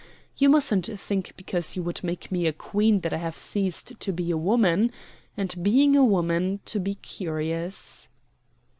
You mustn't think because you would make me a Queen that I have ceased to be a woman and, being a woman, to be curious."